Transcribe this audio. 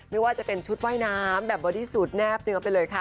ไม่ว่าจะเป็นชุดว่ายน้ำแบบบอดี้สูตรแนบเนื้อไปเลยค่ะ